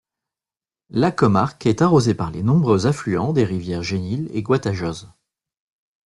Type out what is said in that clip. La comarque est arrosée par les nombreux affluents des rivières Genil et Guadajoz.